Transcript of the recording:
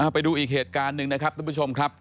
ไปดูอีกเหตุการณ์หนึ่งนะครับทุกผู้ชมครับ